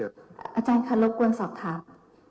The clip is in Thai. อาจารย์ค่ะรบกวนสอบถาม